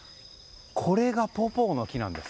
これがポポーの木です。